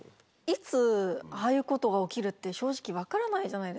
いつああいうことが起きるって正直分からないじゃないですか。